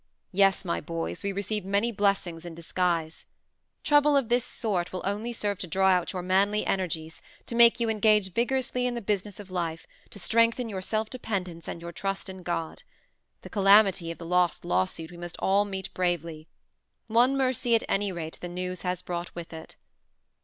Yes, my boys, we receive many blessings in disguise. Trouble of this sort will only serve to draw out your manly energies, to make you engage vigorously in the business of life, to strengthen your self dependence and your trust in God. This calamity of the lost lawsuit we must all meet bravely. One mercy, at any rate, the news has brought with it."